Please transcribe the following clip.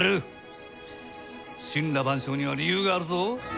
森羅万象には理由があるぞ。